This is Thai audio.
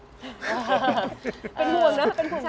เป็นห่วงนะเป็นของทุกคน